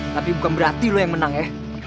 tapi bukan berarti lo yang menang ya